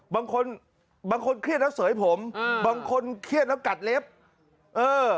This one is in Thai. บางคนบางคนเครียดแล้วเสยผมอืมบางคนเครียดแล้วกัดเล็บเออ